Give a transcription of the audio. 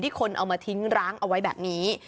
คนเอามาทิ้งร้างเอาไว้แบบนี้